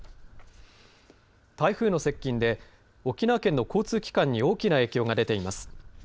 台風の接近で沖縄県の交通機関に大きな影響が出ています。